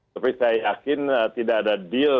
tapi saya yakin tidak ada deal